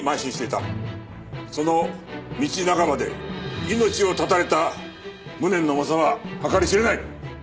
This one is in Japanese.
その道半ばで命を絶たれた無念の重さは計り知れない。